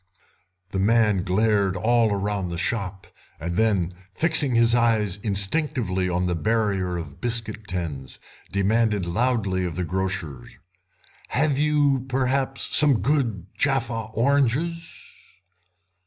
The man glared all round the shop, and then, fixing his eyes instinctively on the barrier of biscuit tins, demanded loudly of the grocer: "You have, perhaps, some good Jaffa oranges?"